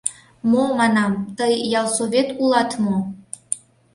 — Мо, манам, тый ялсовет улат мо?